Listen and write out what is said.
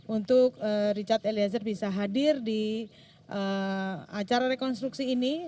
untuk richard eliezer bisa hadir di acara rekonstruksi ini